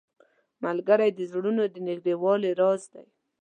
ملګری د زړونو د نږدېوالي راز دی